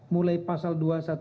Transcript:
mulai pasal dua ratus dua belas